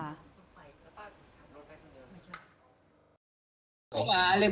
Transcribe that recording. ปุ๊บไปละป้ากูว่าไปทางเดียว